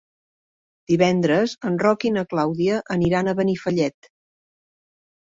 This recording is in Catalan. Divendres en Roc i na Clàudia aniran a Benifallet.